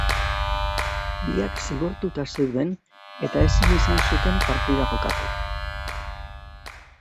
Biak zigortuta zeuden eta ezin izan zuten partida jokatu.